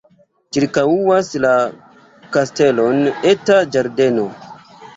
Ĉirkaŭas la kastelon eta ĝardeno.